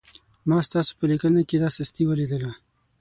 ما ستاسو په لیکنه کې دا سستي ولیدله.